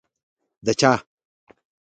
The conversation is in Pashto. د چا؟